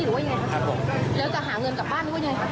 แล้วจะหาเงินกลับบ้านหรือว่าอย่างไรครับ